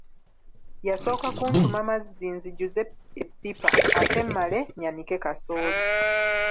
Yasooka kuntuma mazzi nzijuze eppipa ate mmale nnyanike kasooli.